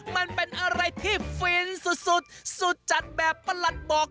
มันเป็นอะไรที่ฟินสุดสุดจัดแบบประหลัดบอก